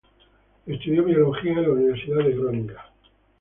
Estudió biología en la Universidad de Groninga.